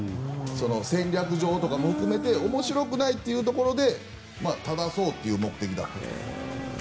戦略上とかも含めて面白くないというところで正そうという目的だと思います。